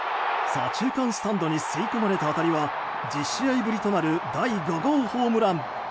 左中間スタンドに吸い込まれた当たりは１０試合ぶりとなる第５号ホームラン。